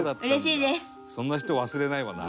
「そんな人忘れないわな」